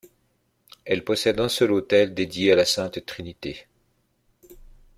Elle possède un seul autel, dédié à la sainte Trinité.